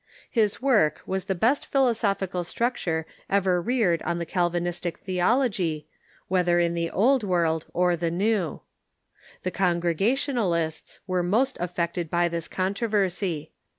His work was the best philo sophical structure ever reared on the Calvinistic theology, whether in the Old World or the New, The Congregational ists were most affected by this controversy.